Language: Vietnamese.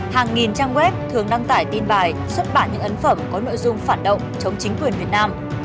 hàng nghìn trang web thường đăng tải tin bài xuất bản những ấn phẩm có nội dung phản động chống chính quyền việt nam